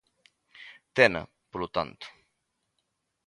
Tena, polo tanto.